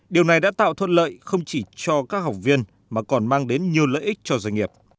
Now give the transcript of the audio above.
điều này đã tạo thuận lợi không chỉ cho các học viên mà còn mang đến nhiều lợi ích cho doanh nghiệp